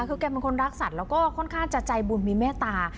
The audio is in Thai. คือแกเป็นคนรักสัตว์แล้วก็ค่อนข้างจะใจบุญมีเมตตา